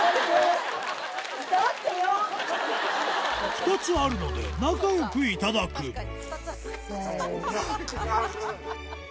２つあるので仲良くいただくせの。